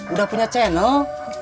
udah punya channel